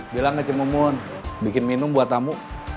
bilang ke cimumun bikin minum buat tamu